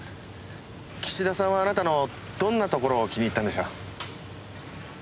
岸田さんはあなたのどんなところを気に入ったんでしょう？